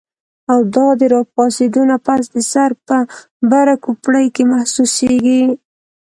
او دا د راپاسېدو نه پس د سر پۀ بره کوپړۍ کې محسوسيږي